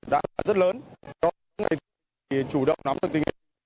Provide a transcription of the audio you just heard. đưa cháu đi